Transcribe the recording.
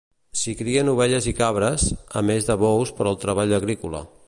S'hi crien ovelles i cabres, a més de bous per al treball agrícola.